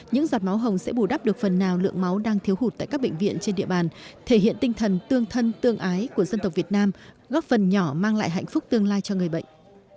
những giọt máu hồng sẽ bù đắp được phần nào lượng máu đang thiếu hụt tại các bệnh viện trên địa bàn thể hiện tinh thần tương thân tương ái của dân tộc việt nam góp phần nhỏ mang lại hạnh phúc tương lai cho người bệnh